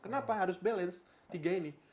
kenapa harus balance tiga ini